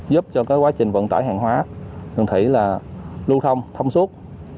giúp cho cái quá trình vận tải hàng hóa đường thủy là lưu thông thông suốt